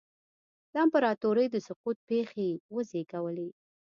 د امپراتورۍ د سقوط پېښې یې وزېږولې.